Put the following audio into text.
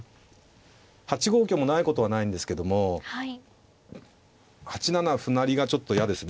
８五香もないことはないんですけども８七歩成がちょっと嫌ですね。